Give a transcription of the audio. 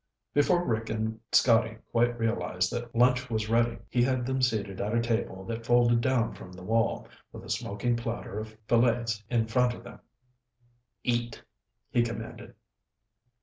Before Rick and Scotty quite realized that lunch was ready, he had them seated at a table that folded down from the wall, with a smoking platter of fillets in front of them. "Eat," he commanded.